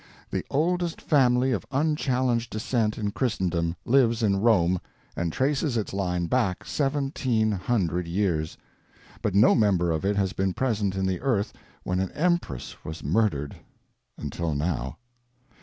The oldest family of unchallenged descent in Christendom lives in Rome and traces its line back seventeen hundred years, but no member of it has been present in the earth when an empress was murdered, until now.